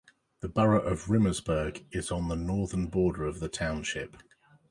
The borough of Rimersburg is on the northern border of the township.